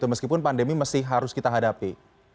meskipun pandemi masih harus kita hadapi